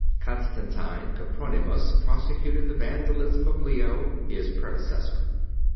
Constantine Copronymus prosecuted the vandalism of Leo, his predecessor.